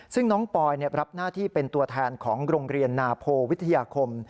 ซึ่งน้องปอยรับหน้าที่เป็นตัวแทนของโรงเรียนนาโพวิทยาคม